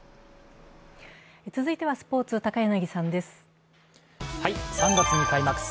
続いてはスポーツ、高柳さんです